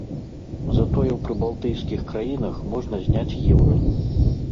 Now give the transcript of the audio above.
Затое ў прыбалтыйскіх краінах можна зняць еўра.